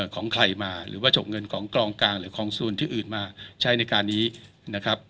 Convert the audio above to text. ของใครมาหรือว่าจบเงินของกลองกลางหรือของศูนย์ที่อื่นมาใช้ในการนี้นะครับ